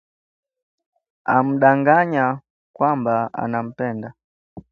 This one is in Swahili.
Anamdanganya kwamba anampenda